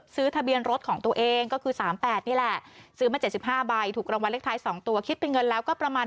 ทะเบียนรถของตัวเองก็คือ๓๘นี่แหละซื้อมา๗๕ใบถูกรางวัลเลขท้าย๒ตัวคิดเป็นเงินแล้วก็ประมาณ